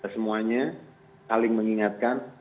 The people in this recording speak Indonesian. semuanya saling mengingatkan